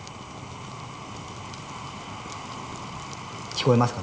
聞こえますかね。